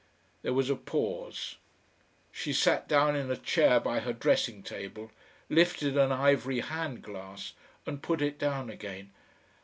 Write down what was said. There was a pause. She sat down in a chair by her dressing table, lifted an ivory hand glass, and put it down again.